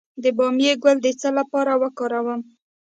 د بامیې ګل د څه لپاره وکاروم؟